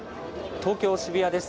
東京・渋谷です。